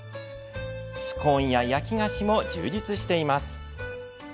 スコーンや焼き菓子も充実しています。